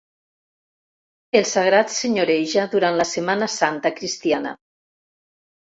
El sagrat senyoreja durant la Setmana Santa cristiana.